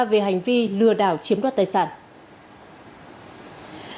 về hành vi lừa đảo chiếm đoát tài sản ừ ừ